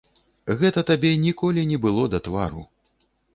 Гэта табе ніколі не было да твару.